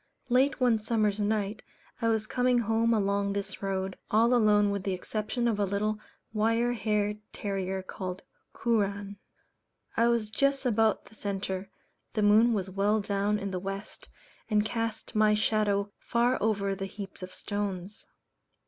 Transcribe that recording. Late one summer's night I was coming home along this road, all alone with the exception of a little wire haired terrier called Kooran. I was just about the centre; the moon was well down in the West, and cast my shadow far over the heaps of stones.